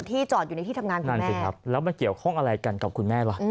จอดอยู่ในที่ทำงานกันนั่นสิครับแล้วมันเกี่ยวข้องอะไรกันกับคุณแม่ล่ะ